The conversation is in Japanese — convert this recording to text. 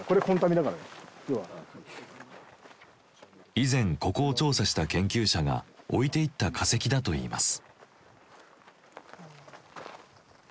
以前ここを調査した研究者が置いていった化石だといいます。